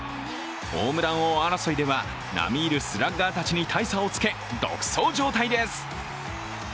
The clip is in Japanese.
ホームラン王争いでは、なみいるスラッガーたちに大差をつけ、独走状態です。